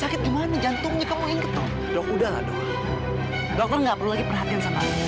sakit gimana jantungnya kamu inget dong udah udahlah doktor nggak perlu lagi perhatian